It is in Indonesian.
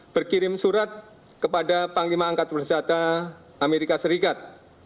berkirim surat kepada panglima angkatan bersenjata amerika serikat